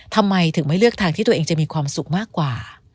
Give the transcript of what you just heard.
ทำไมถึงไม่เลือกทางที่ตัวเองจะมีความสุขมากกว่า